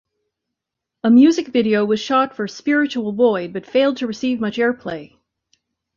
A music video was shot for "Spiritual Void" but failed to receive much airplay.